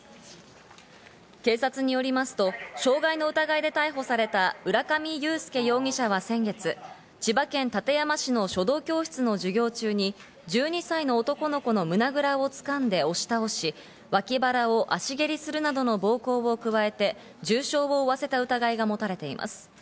警察によりますと、傷害の疑いで逮捕された浦上裕介容疑者は先月、千葉県館山市の書道教室の授業中に１２歳の男の子の胸ぐらを掴んで押し倒し、わき腹を足蹴りするなどの暴行を加えて重傷を負わせた疑いが持たれています。